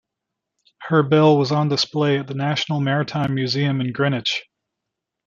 Her bell was on display at the National Maritime Museum in Greenwich.